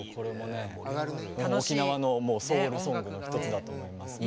沖縄のソウルソングの一つだと思いますね。